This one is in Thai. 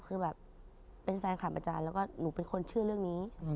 คือแบบเป็นแฟนคลับอาจารย์แล้วก็หนูเป็นคนเชื่อเรื่องนี้